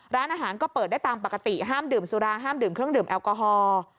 ร้านอาหารก็เปิดได้ตามปกติห้ามดื่มสุราห้ามดื่มเครื่องดื่มแอลกอฮอล์